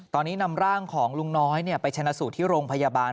ตอนนี้นำร่างของลุงน้อยไปชนะสูตรที่โรงพยาบาล